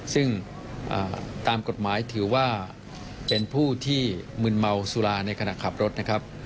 ซึ่งตามกฎหมายถือว่าเป็นผู้ที่มึนเมาสุราในขณะขับรถนะครับ